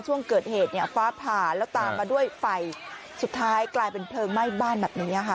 ช่วงเกิดเหตุเนี่ยฟ้าผ่าแล้วตามมาด้วยไฟสุดท้ายกลายเป็นเพลิงไหม้บ้านแบบนี้ค่ะ